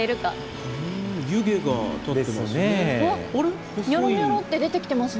湯気が出てますね。